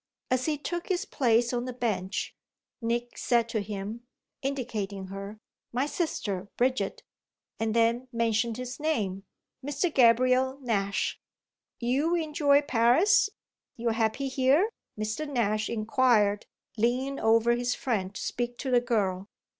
As he took his place on the bench Nick said to him, indicating her, "My sister Bridget," and then mentioned his name, "Mr. Gabriel Nash." "You enjoy Paris you're happy here?" Mr. Nash inquired, leaning over his friend to speak to the girl.